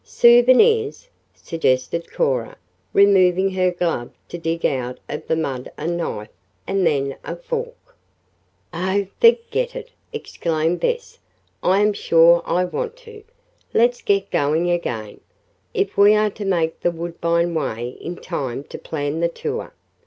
"Souvenirs?" suggested Cora, removing her glove to dig out of the mud a knife, and then a fork. "Oh, forget it!" exclaimed Bess. "I am sure I want to. Let's get going again, if we are to make the Woodbine Way in time to plan the tour.